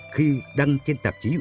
khi đăng trên tạp chí